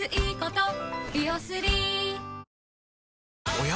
おや？